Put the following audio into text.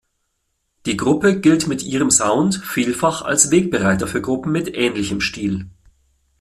Die Gruppe gilt mit ihrem Sound vielfach als Wegbereiter für Gruppen mit ähnlichem Stil.